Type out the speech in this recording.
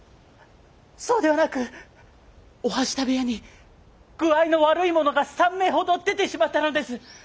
そうではなく御半下部屋に具合の悪いものが３名ほど出てしまったのです。